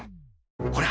ほら